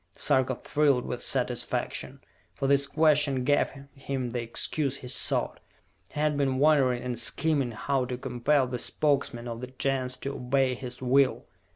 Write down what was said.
Sarka thrilled with satisfaction, for this question gave him the excuse he sought. He had been wondering and scheming how to compel the Spokesmen of the Gens to obey his will.